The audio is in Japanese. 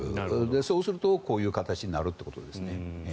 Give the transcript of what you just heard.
そうするとこういう形になるということですね。